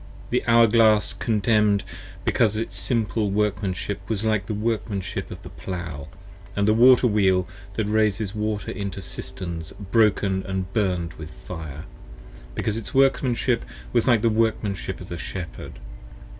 The hour glass contemn'd because its simple workmanship Was like the workmanship of the plowman, & the water wheel That raises water into cisterns broken & burn'd with fire : 20 Because its workmanship was like the workmanship of the shepherd.